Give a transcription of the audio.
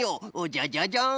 じゃじゃじゃん！